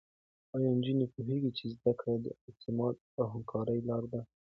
ایا نجونې پوهېږي چې زده کړه د اعتماد او همکارۍ لاره ده؟